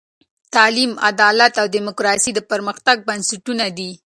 تعلیم، عدالت او دیموکراسي د پرمختګ بنسټونه دي.